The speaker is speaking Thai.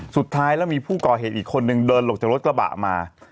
สุดท้ายแล้วมีผู้ก่อเหตุอีกคนนึงเดินหลบจากรถกระบะมา